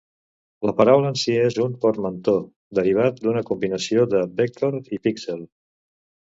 La paraula en si és un portmanteau derivat d'una combinació de "vector" i "píxel".